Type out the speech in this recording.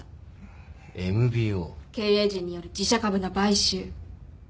経営陣による自社株の買収。